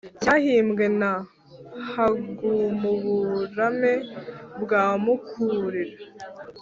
cyahimbwe na hagumuburame bwa mukurira